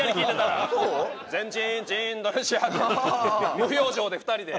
無表情で２人で。